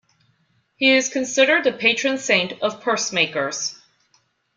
He is considered the patron saint of pursemakers.